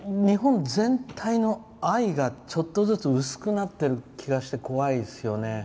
日本全体の愛がちょっとずつ薄くなってる気がして怖いですよね。